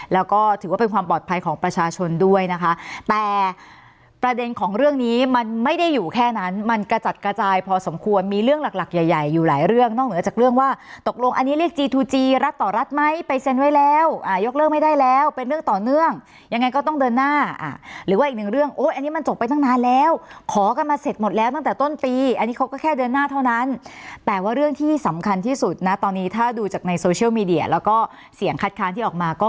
รัฐต่อรัฐไหมไปเซ็นไว้แล้วอ่ายกเลิกไม่ได้แล้วเป็นเรื่องต่อเนื่องยังไงก็ต้องเดินหน้าอ่าหรือว่าอีกหนึ่งเรื่องโอ้ยอันนี้มันจบไปตั้งนานแล้วขอกันมาเสร็จหมดแล้วตั้งแต่ต้นปีอันนี้เขาก็แค่เดินหน้าเท่านั้นแปลว่าเรื่องที่สำคัญที่สุดนะตอนนี้ถ้าดูจากในโซเชียลมีเดียแล้วก็เสียงคัดค้านที่อ